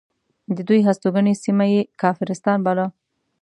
د دوی هستوګنې سیمه یې کافرستان باله.